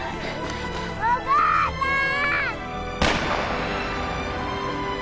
お母さん！